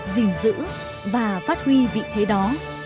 giữ và phát huy vị thế đó